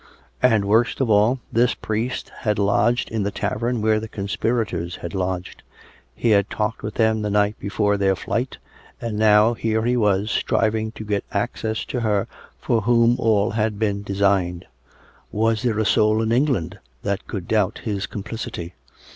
And, worst of all, this priest had lodged in the tavern where the conspirators had lodged ; he had talked with them the night before their flight, and now, here he was, striving to get access to her for whom all had been designed. Was there a soul in England that could doubt his complicity.''